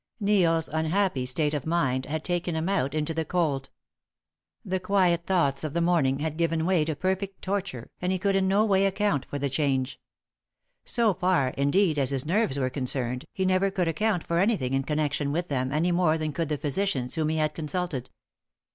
Neil's unhappy state of mind had taken him out into the cold. The quiet thoughts of the morning had given way to perfect torture, and he could in no way account for the change. So far, indeed, as his nerves were concerned, he never could account for anything in connection with them any more than could the physicians whom he had consulted.